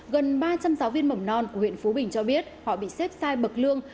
gần ba trăm linh giáo viên mầm non của huyện phú bình cho biết họ bị xếp sai bậc lương